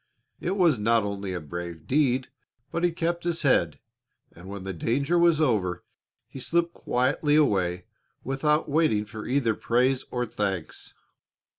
It was not only a brave deed, but he kept his head; and when the danger was over he slipped quietly away without waiting for either praise or thanks."